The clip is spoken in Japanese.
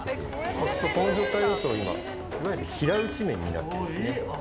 そうするとこの状態だと今いわゆる平打ち麺になってます。